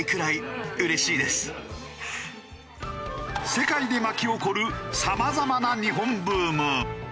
世界で巻き起こるさまざまな日本ブーム。